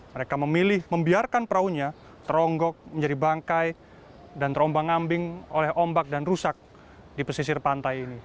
mereka memilih membiarkan perahunya teronggok menjadi bangkai dan terombang ambing oleh ombak dan rusak di pesisir pantai ini